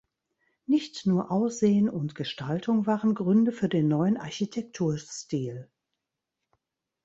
Nicht nur Aussehen und Gestaltung waren Gründe für den neuen Architekturstil.